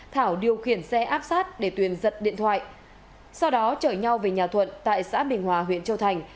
thảo điều khiển xe áp sát để tuyền giật điện thoại sau đó chở nhau về nhà thuận tại xã bình hòa huyện châu thành